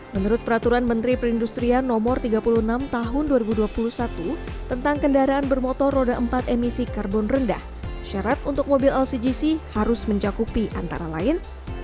menurut peraturan menteri perindustrian no tiga puluh enam tahun dua ribu dua puluh satu tentang kendaraan bermotor roda empat emisi karbon rendah syarat untuk mobil lcgc harus mencakupi antara lain